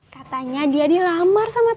katanya dia dilamar sama